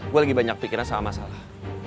gue lagi banyak pikiran sama masalah